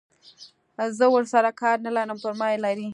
زه ورسره کار نه لرم پر ما یې لري.